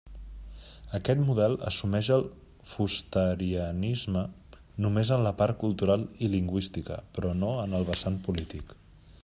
Aquest model assumeix el fusterianisme només en la part cultural i lingüística, però no en el vessant polític.